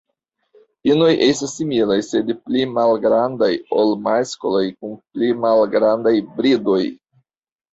Inoj estas similaj, sed pli malgrandaj ol maskloj kun pli malgrandaj bridoj.